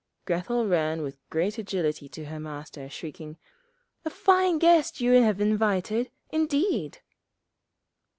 Grethel ran with great agility to her Master, shrieking, 'A fine guest you have invited, indeed!'